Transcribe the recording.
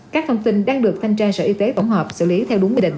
các thông tin đang được thanh tra sở y tế tổng hợp xử lý theo đúng quy định